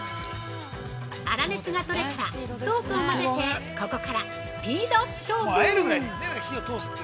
◆粗熱がとれたらソースを混ぜてここからスピード勝負！